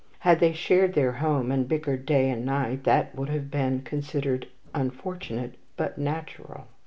Had they shared their home, and bickered day and night, that would have been considered unfortunate but "natural."